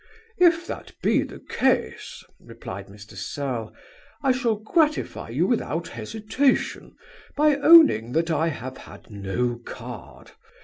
'If that be the case (replied Mr Serle) I shall gratify you without hesitation, by owning that I have had no card.